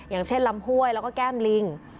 อย่างเช่นลำห้วยแล้วก็แก้มลิง